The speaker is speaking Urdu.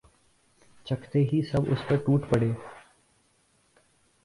چکھتے ہی سب اس پر ٹوٹ پڑے